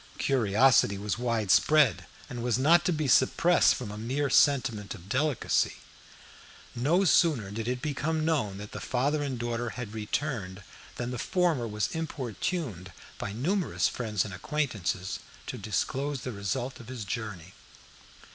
Curiosity was widespread, and was not to be suppressed from a mere sentiment of delicacy. No sooner did it become known that the father and daughter had returned than the former was importuned by numerous friends and acquaintances to disclose the result of his journey.